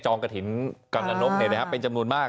องกระถิ่นกำลังนกเป็นจำนวนมาก